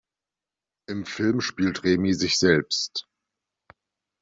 Im Film spielt Remi sich selbst.